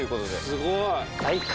すごい！